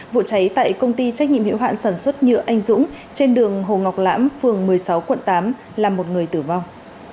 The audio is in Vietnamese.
vụ cháy tại công ty trách nhiệm hiệu hạn sản xuất nhựa anh dũng trên đường hồ ngọc lãm phường một mươi sáu quận tám là một người tử vong